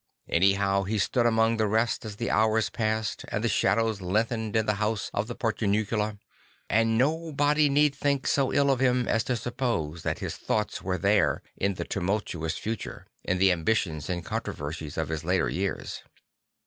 Anyhow he stood among the rest as the hours passed and the shadows lengthened in the house of the Portiuncula; and nobody need think so ill of him as to suppose that his thoughts were then in the tumultuous future, in the ambitions and controversies of his later years.